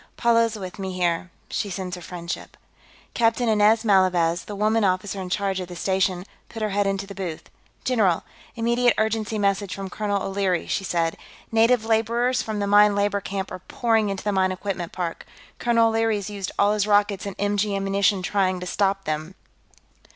"Paula is with me, here; she sends her friendship." Captain Inez Malavez, the woman officer in charge of the station, put her head into the booth. "General! Immediate urgency message from Colonel O'Leary," she said. "Native laborers from the mine labor camp are pouring into the mine equipment park. Colonel O'Leary's used all his rockets and MG ammunition trying to stop them."